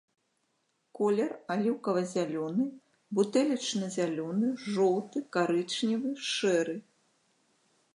Колер аліўкава-зялёны, бутэлечна-зялёны, жоўты, карычневы, шэры.